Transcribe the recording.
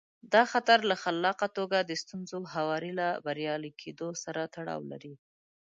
دا خطر له خلاقه توګه د ستونزو هواري له بریالي کېدو سره تړاو لري.